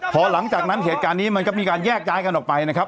พอหลังจากนั้นเหตุการณ์นี้มันก็มีการแยกย้ายกันออกไปนะครับ